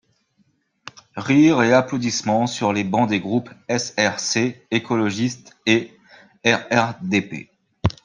(Rires et applaudissements sur les bancs des groupes SRC, écologiste et RRDP.